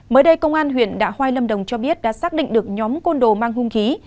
mới đây công an huyện đạ hoai lâm đồng cho biết đã xác định được nhóm côn đồ mang hung khí